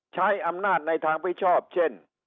ใช้อำนาจในทางมิชอบเช่น